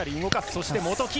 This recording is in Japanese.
そして元木！